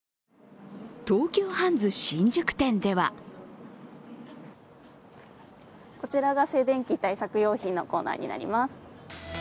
東急ハンズ新宿店ではこちらが静電気対策用品のコーナーになります。